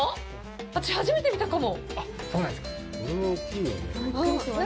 私、初めて見たかも。